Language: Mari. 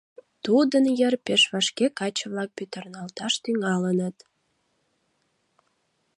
Тудын йыр пеш вашке каче-влак пӱтырналташ тӱҥалыныт.